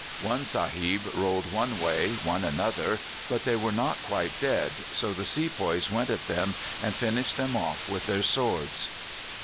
One sahib rolled one way, one another, but they were not quite dead; so the sepoys went at them and finished them off with their swords."